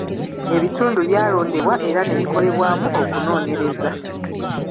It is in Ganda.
Ebitundu byalondebwa era ne bikolebwamu okunoonyereza.